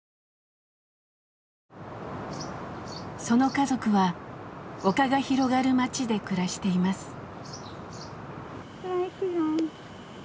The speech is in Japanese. その家族は丘が広がる町で暮らしています。